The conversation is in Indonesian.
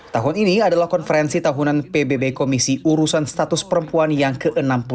tahun ini adalah konferensi tahunan pbb komisi urusan status perempuan yang ke enam puluh dua